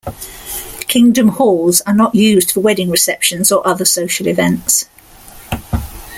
Kingdom Halls are not used for wedding receptions or other social events.